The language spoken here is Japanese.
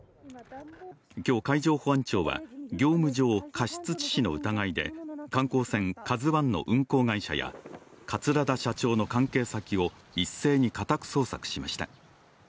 今日、海上保安庁は、業務上過失致死の疑いで観光船「ＫＡＺＵⅠ」の運航会社や桂だ社長の関係先を一斉に家宅捜索しました。